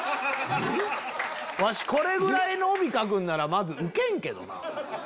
わしこれぐらいの帯書くんならまず受けんけどな。